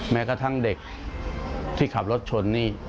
แม้กระทั่งเด็กที่ขับรถชนนี่